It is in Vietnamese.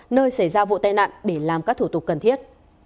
nơi xảy ra vụ tai nạn để làm các thủ tục cần thiết